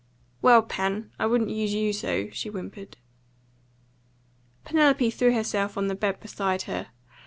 "Well, Pen, I wouldn't use you so," she whimpered. Penelope threw herself on the bed beside her.